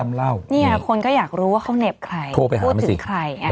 ไอ้คนนั้นอ่ะใคร